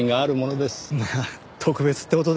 まあ特別ってほどでは。